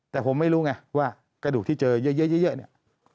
แต่ผมไม่รู้ไงว่ากระดูกที่เจอเยอะเนี่ย